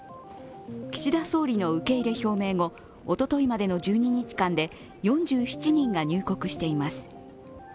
岸田総理の受け入れ表明後、おとといまでの１２日間で４７人が入国しています。